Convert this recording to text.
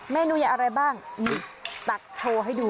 เมนูอะไรบ้างนี่ตักโชว์ให้ดู